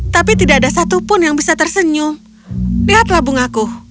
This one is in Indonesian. tapi tidak ada satupun yang bisa tersenyum lihatlah bungaku